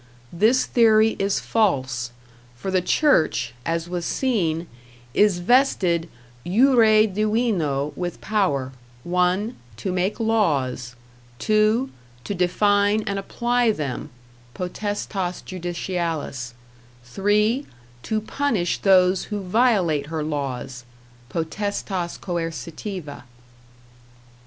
This theory is false; for the Church, as was seen, is vested #Jure divino# with power, (1) to make laws; (2) to define and apply them #(potestas judicialis)#; (3) to punish those who violate her laws #(potestas coercitiva)#.